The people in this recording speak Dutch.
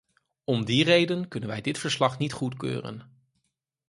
Om die reden kunnen wij dit verslag niet goedkeuren.